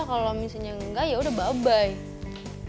kalau misalnya enggak ya udah bye bye